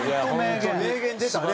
名言出たね。